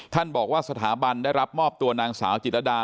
ท่านบอกว่าสถาบันได้รับมอบตัวนางสาวจิตรดา